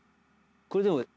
これでも。